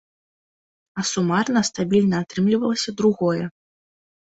А сумарна стабільна атрымлівалася другое.